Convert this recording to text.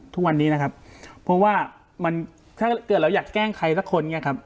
ทุกวันนี้นะครับเพราะว่ามันถ้าเกิดเราอยากแกล้งใครสักคนเนี่ยครับ